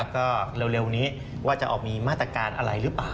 ก็เร็วนี้ว่าจะออกมีมาตรการอะไรหรือเปล่า